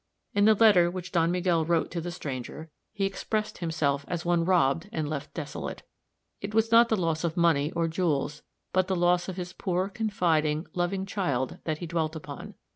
In the letter which Don Miguel wrote to the stranger, he expressed himself as one robbed and left desolate. It was not the loss of money or jewels, but the loss of his poor, confiding, loving child, that he dwelt upon.